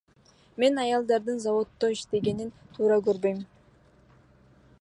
Мен аялдардын заводдо иштегенин туура көрбөйм.